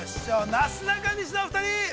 なすなかにしのお二人！